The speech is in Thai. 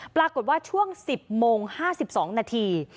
ปรากฏว่าช่วง๑๐โมง๕๒นาที